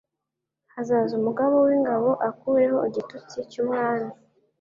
Hazaza umugaba w ingabo akureho igitutsi cy umwami